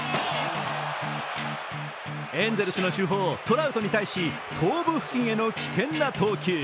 エンゼルスの主砲・トラウトに対し頭部付近への危険な投球。